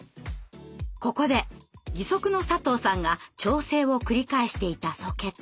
ここで義足の佐藤さんが調整を繰り返していたソケット。